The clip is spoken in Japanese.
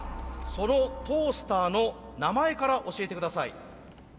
そのトースターの名前から教えて下さい。